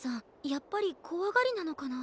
やっぱりこわがりなのかな。